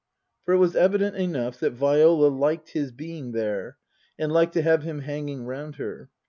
For it was evident enough that Viola liked his being there, and liked to have him hanging round her.